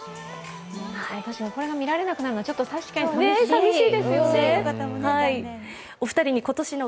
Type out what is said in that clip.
私、これが見られなくなるのは、確かに寂しい。